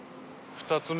２つ目。